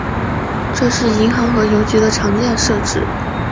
这是银行和邮局的常见设置。